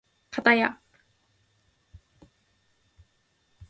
かたや